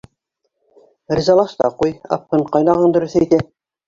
—Ризалаш та ҡуй, апһын, ҡайнағаң дөрөҫ әйтә.